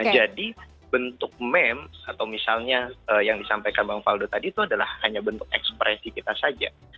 jadi bentuk mem atau misalnya yang disampaikan bang faldo tadi itu adalah hanya bentuk ekspresi kita saja